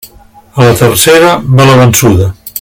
A la tercera va la vençuda.